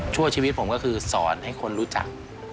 ชั่วชีวิตผมก็คือสอนให้คนรู้จัก